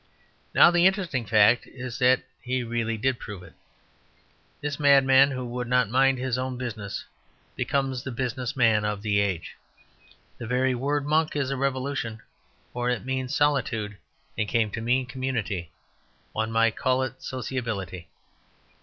Now the interesting fact is that he really did prove it. This madman who would not mind his own business becomes the business man of the age. The very word "monk" is a revolution, for it means solitude and came to mean community one might call it sociability.